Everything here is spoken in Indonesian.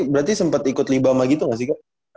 berarti sempat ikut libama gitu gak sih kak